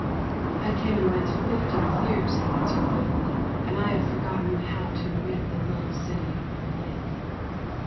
" I came and went fifty years," he answered bitterly, " and I have forgotten how to rid the little city of the plague